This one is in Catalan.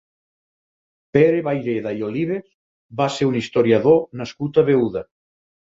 Pere Vayreda i Olivas va ser un historiador nascut a Beuda.